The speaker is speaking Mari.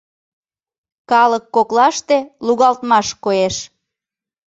Калык коклаште лугалтмаш коеш.